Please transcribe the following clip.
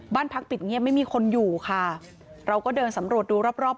บ้านพักปิดเงียบไม่มีคนอยู่ค่ะเราก็เดินสำรวจดูรอบรอบ